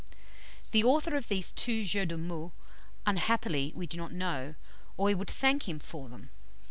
_" The author of these two jeux de mots unhappily we do not know, or we would thank him for them.